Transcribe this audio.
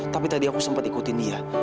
tapi tadi aku sempat ikutin dia